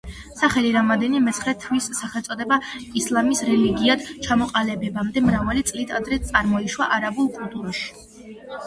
სახელი რამადანი, მეცხრე თვის სახელწოდება ისლამის რელიგიად ჩამოყალიბებამდე მრავალი წლით ადრე წარმოიშვა არაბულ კულტურაში.